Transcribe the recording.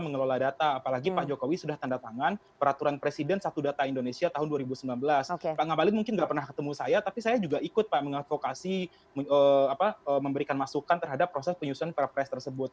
memberikan masukan terhadap proses penyusuan perpres tersebut